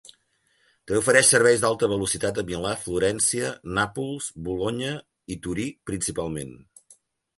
També ofereix serveis d'alta velocitat a Milà, Florència, Nàpols, Bolonya i Torí principalment.